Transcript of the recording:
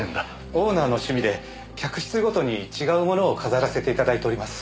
オーナーの趣味で客室ごとに違うものを飾らせていただいております。